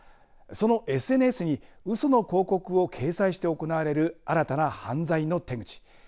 そのＳＮＳにうその広告を掲載して行われる新たな犯罪の手口。